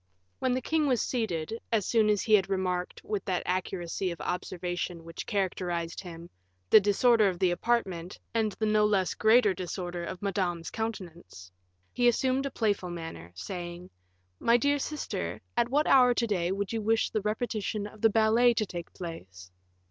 When the king was seated, as soon as he had remarked, with that accuracy of observation which characterized him, the disorder of the apartment, and the no less great disorder of Madame's countenance, he assumed a playful manner, saying, "My dear sister, at what hour to day would you wish the repetition of the ballet to take place?"